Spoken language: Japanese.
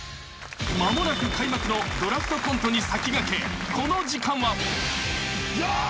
［間もなく開幕の『ドラフトコント』に先駆けこの時間は］よし！